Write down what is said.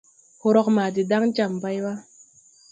Horɔg ma de daŋ jam bay wà.